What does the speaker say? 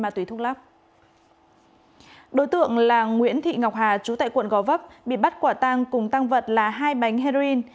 thị ngọc hà chú tại quận gò vấp bị bắt quả tăng cùng tăng vật là hai bánh heroin